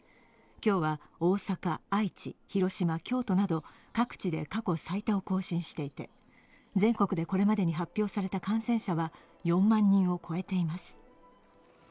今日は大阪、愛知、広島、京都など各地で過去最多を更新していて、全国でこれまでに発表された感染者は４万人を超えています。